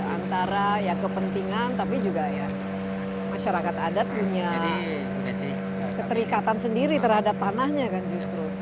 antara ya kepentingan tapi juga ya masyarakat adat punya keterikatan sendiri terhadap tanahnya kan justru